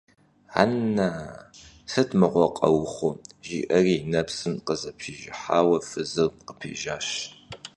- Ана-а, сыт мыгъуэр къэухъу? - жиӀэри и нэпсым къызэпижыхьауэ фызыр къыпежьащ.